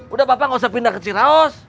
udah bapak nggak usah pindah ke ciraus